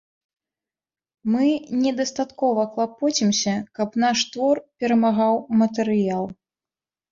Мы недастаткова клапоцімся, каб наш твор перамагаў матэрыял.